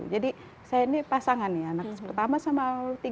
jadi saya ini pasangan ya